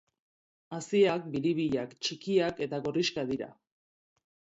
Haziak biribilak, txikiak eta gorrixkak dira.